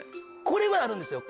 これはあるんですよ。